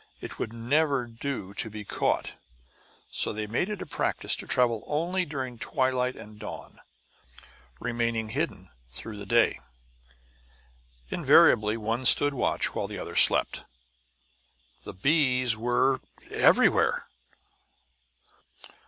It would never do to be caught! So they made it a practice to travel only during twilight and dawn, remaining hidden through the day. Invariably one stood watch while the other slept. The bees were everywhere!